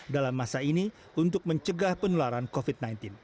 dalam masa ini untuk mencegah penularan covid sembilan belas